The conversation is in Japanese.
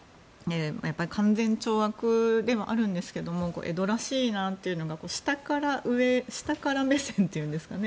勧善懲悪ではあるんですが江戸らしいなというのが下から目線というんですかね